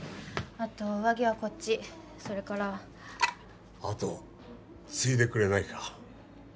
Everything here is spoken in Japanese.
あと上着はこっちそれから後を継いでくれないか